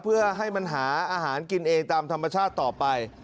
เพื่อให้มันหาอาหารกินเองตามธรรมชาติต่อไป